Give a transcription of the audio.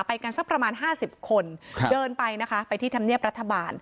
กันสักประมาณ๕๐คนเดินไปนะคะไปที่ธรรมเนียบรัฐบาล